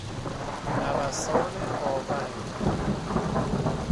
نوسان آونگ